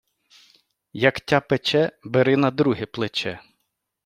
Як тя пече, бери на друге плече!